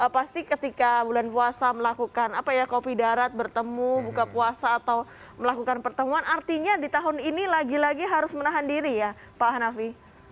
pasti ketika bulan puasa melakukan apa ya kopi darat bertemu buka puasa atau melakukan pertemuan artinya di tahun ini lagi lagi harus menahan diri ya pak hanafi